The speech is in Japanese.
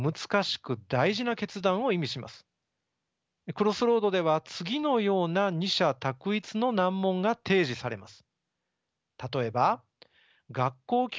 「クロスロード」では次のような二者択一の難問が提示されます。